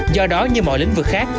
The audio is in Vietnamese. do đó như mọi lĩnh vực khác